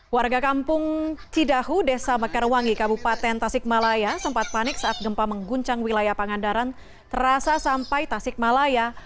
warga kampung cidahu desa mekarwangi kabupaten tasikmalaya sempat panik saat gempa mengguncang wilayah pangandaran terasa sampai tasikmalaya